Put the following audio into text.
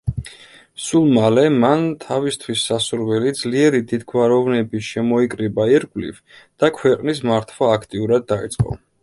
სულ მალე, მან თავისთვის სასურველი, ძლიერი დიდგვაროვნები შემოიკრიბა ირგვლივ და ქვეყნის მართვა აქტიურად დაიწყო.